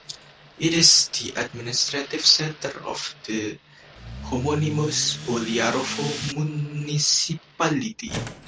It is the administrative centre of the homonymous Bolyarovo Municipality.